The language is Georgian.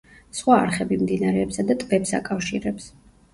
სხვა არხები მდინარეებსა და ტბებს აკავშირებს.